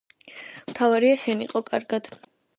მთავარია შენ იყო კარგად